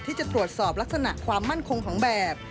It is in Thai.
ที่จะตรวจสอบลักษณะความมั่นคงของแบบ